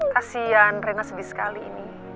kasian rena sedih sekali ini